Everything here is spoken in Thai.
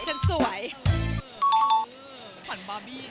ฝันบาร์บี้